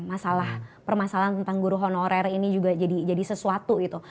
masalah permasalahan tentang guru honorer ini juga jadi sesuatu gitu